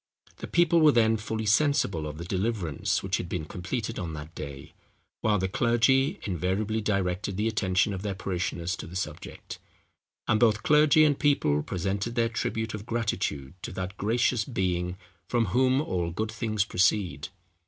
The people were then fully sensible of the deliverance, which had been completed on that day; while the clergy invariably directed the attention of their parishioners to the subject; and both clergy and people presented their tribute of gratitude to that gracious Being from whom all good things proceed.